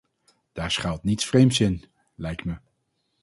Daar schuilt niets vreemds in, lijkt me.